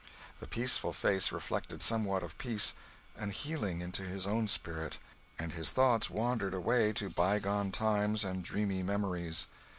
The peaceful face reflected somewhat of peace and healing into his own spirit, and his thoughts wandered away to bygone times and dreamy memories.